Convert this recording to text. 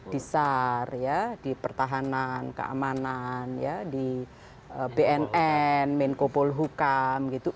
di sar di pertahanan keamanan di bnn menkopolhukam gitu